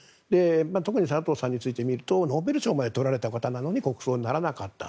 特に佐藤さんについてみるとノーベル賞まで取られた方なのに国葬にならなかった。